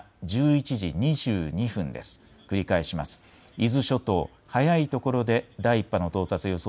伊豆諸島の早いところでは第１波の到達予想